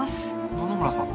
野々村さん。